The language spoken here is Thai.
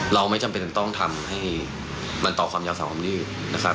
เราไม่จำเป็นต้องทำให้มันต่อความยาวสาวความลื่นนะครับ